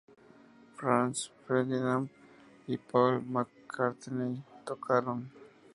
Franz Ferdinand y Paul McCartney tocaron.